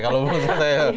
kalau belum selesai